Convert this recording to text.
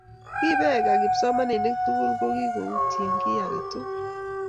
kibeeka kipsomaninik sukul ko kiyutie kiy age tul